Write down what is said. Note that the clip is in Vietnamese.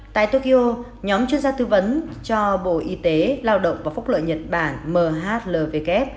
tại tokyo nhóm chuyên gia tư vấn cho bộ y tế lao động và phúc lợi nhật bản mhlvk